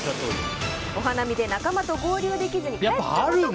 お花見で仲間と合流できず帰ったことがある。